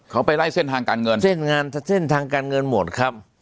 เขาไปไล่เส้นทางการเงินเส้นทางการเงินหมดครับ